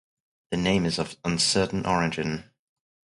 The name is of uncertain origin.